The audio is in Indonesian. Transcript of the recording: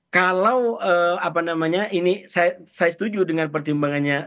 kalau apa namanya ini saya setuju dengan pertimbangannya